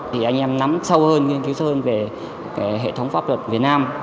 thì anh em nắm sâu hơn nghiên cứu hơn về hệ thống pháp luật việt nam